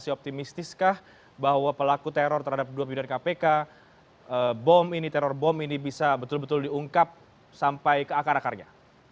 optimistiskah bahwa pelaku teror terhadap dua bidan kpk bom ini teror bom ini bisa betul betul diungkap sampai ke akar akarnya